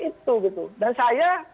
itu gitu dan saya